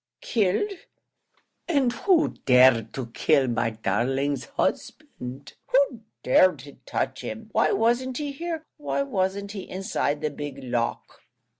"Killed and who dared to kill my darling's husband? who'd dare to touch him? why wasn't he here? why wasn't he inside the big lock?"